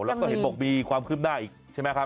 แล้วก็เห็นบอกมีความคืบหน้าอีกใช่ไหมครับ